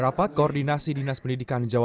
rapat koordinasi dinas pendidikan jawa